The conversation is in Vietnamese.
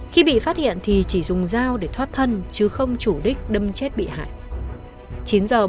khi bị phát hiện thì chỉ dùng dao để thoát thân chứ không chủ đích đâm chết bị hại